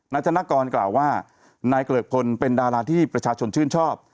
ธนกรกล่าวว่านายเกริกพลเป็นดาราที่ประชาชนชื่นชอบ